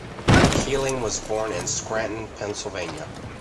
Keeling was born in Scranton, Pennsylvania.